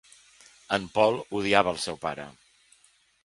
En Paul odiava el seu pare.